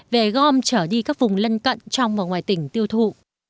về gom trở đi các vùng lân cận trong và ngoài tỉnh tiêu thụ